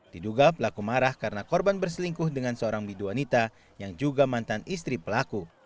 diduga pelaku marah karena korban berselingkuh dengan seorang biduanita yang juga mantan istri pelaku